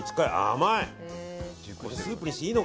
甘い！